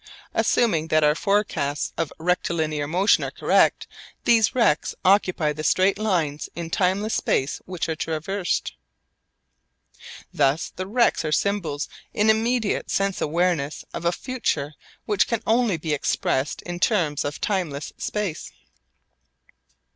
Assuming that our forecasts of rectilinear motion are correct, these rects occupy the straight lines in timeless space which are traversed. Thus the rects are symbols in immediate sense awareness of a future which can only be expressed in terms of timeless space.